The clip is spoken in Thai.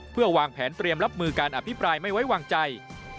เพื่อวางแผนเตรียมรับมือการอภิปรายไม่ไว้วางใจ